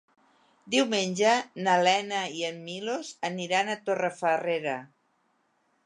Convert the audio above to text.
Diumenge na Lena i en Milos aniran a Torrefarrera.